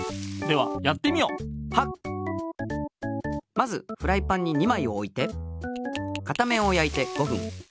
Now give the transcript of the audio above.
まずフライパンに２まいおいて片面をやいて５ふん。